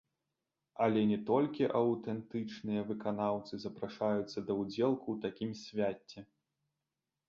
Але не толькі аўтэнтычныя выканаўцы запрашаюцца да ўдзелу ў такім свяце.